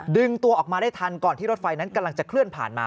ดึงตัวออกมาได้ทันก่อนที่รถไฟนั้นกำลังจะเคลื่อนผ่านมา